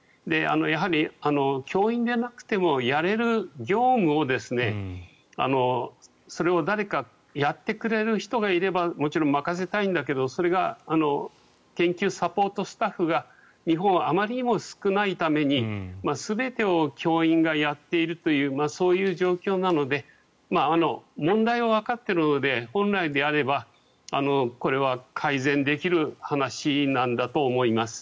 やはり教員でなくてもやれる業務をそれを誰かやってくれる人がいればもちろん任せたいんだけどそれが研究サポートスタッフが日本はあまりにも少ないために全てを教員がやっているというそういう状況なので問題はわかっているので本来であれば、これは改善できる話なんだと思います。